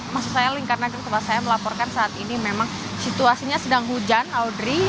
maksud saya link karena di tempat saya melaporkan saat ini memang situasinya sedang hujan audrey